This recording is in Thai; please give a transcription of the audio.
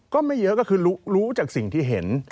ก็ไม่เยอะก็คือรู้จากสิ่งที่เห็น